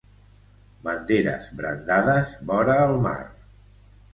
Banderes brandades vora el mar.